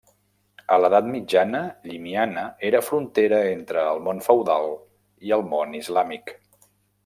A l'edat mitjana, Llimiana era frontera entre el món feudal i el món islàmic.